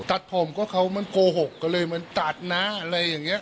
ตัดผมก็เขามันโกหกก็เลยมันตัดนะอะไรอย่างนี้